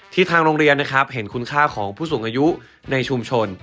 ทางโรงเรียนนะครับเห็นคุณค่าของผู้สูงอายุในชุมชน